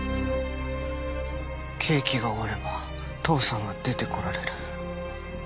刑期が終われば父さんは出てこられる。